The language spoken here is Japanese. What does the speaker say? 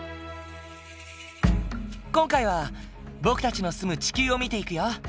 今回は僕たちの住む地球を見ていくよ。